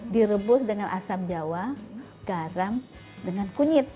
direbus dengan asam jawa garam dengan kunyit